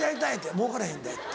「もうからへんで」って。